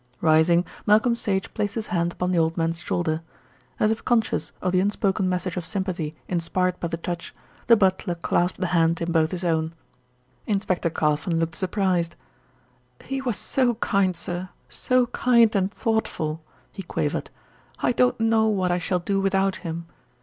Rising, Malcolm Sage placed his hand upon the old man's shoulder. As if conscious of the unspoken message of sympathy inspired by the touch, the butler clasped the hand in both his own. Inspector Carfon looked surprised. "He was so kind, sir, so kind and thoughtful," he quavered. "I don't know what I shall do without him."